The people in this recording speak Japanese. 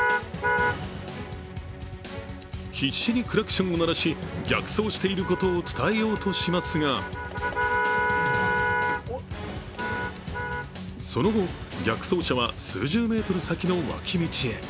必死にクラクションを鳴らし逆走していることを伝えようとしますがその後、逆走車は数十メートル先の脇道へ。